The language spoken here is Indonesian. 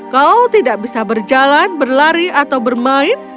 kau tidak bisa berjalan berlari atau bermain